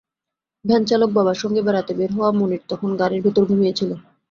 ভ্যানচালক বাবার সঙ্গে বেড়াতে বের হওয়া মনির তখন গাড়ির ভেতর ঘুমিয়ে ছিল।